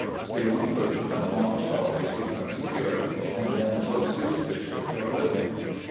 The young clergyman almost always becomes a curate, and then looks to his bishop for a living.